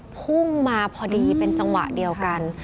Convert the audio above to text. พุ่งมาพอดีเป็นจังหวะเดียวกัน